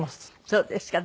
そうですか。